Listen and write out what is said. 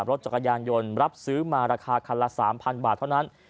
รถจักรยานยนต์รับซื้อมาราคาคันละ๓๐๐บาทเท่านั้น